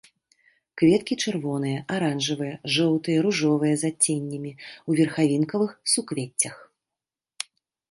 Кветкі чырвоныя, аранжавыя, жоўтыя, ружовыя з адценнямі, у верхавінкавых суквеццях.